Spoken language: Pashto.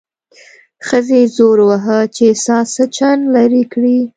ښځې زور وواهه چې ساسچن لرې کړي.